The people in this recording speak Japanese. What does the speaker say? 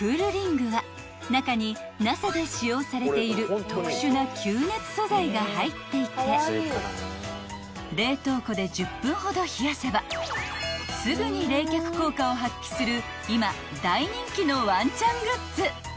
［中にＮＡＳＡで使用されている特殊な吸熱素材が入っていて冷凍庫で１０分ほど冷やせばすぐに冷却効果を発揮する］